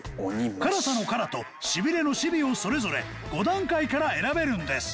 辛さのカラとシビレのシビをそれぞれ５段階から選べるんです